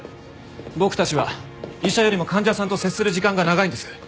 僕たちは医者よりも患者さんと接する時間が長いんです。